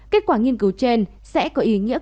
kết quả nghiên cứu trên sẽ có ý nghĩa